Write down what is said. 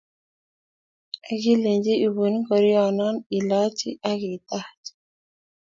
Ak kilenji ibu ngoriono ilaachi ak itaach